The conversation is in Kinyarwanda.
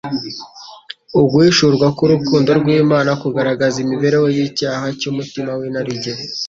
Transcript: Uguhishurwa k'urukundo rw'Imana kugaragaza imibereho y'icyaha cy'umutima w'inarijye.